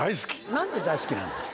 何で大好きなんですか？